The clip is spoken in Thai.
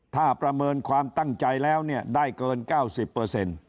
ถ้าประเมินความตั้งใจแล้วเนี่ยได้เกิน๙๐